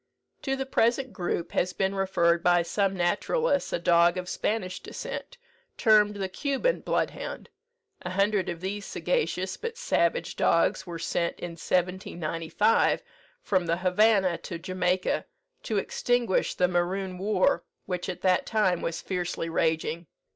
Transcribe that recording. To the present group has been referred by some naturalists a dog of Spanish descent, termed the Cuban bloodhound. A hundred of these sagacious but savage dogs were sent, in 1795, from the Havanna to Jamaica, to extinguish the Maroon war, which at that time was fiercely raging.